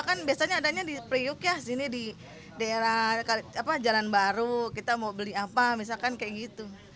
kan biasanya adanya di priuk ya di daerah jalan baru kita mau beli apa misalkan kayak gitu